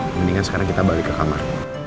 mendingan sekarang kita balik ke kamar